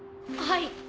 はい。